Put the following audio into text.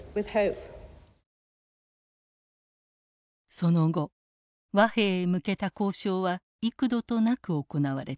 その後和平へ向けた交渉は幾度となく行われた。